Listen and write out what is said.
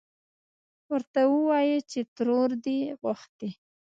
ورته ووايه چې ترور دې غوښتې.